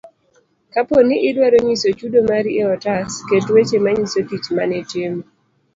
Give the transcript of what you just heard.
kapo ni idwaro nyiso chudo mari e otas, ket weche manyiso tich manitimo.